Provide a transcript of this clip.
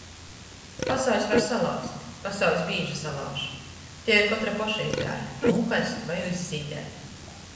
Pasauļs var salauzt. Pasauļs bīži salauž. Tei ir kotra poša izvēle - nūkaļst voi izzīdēt.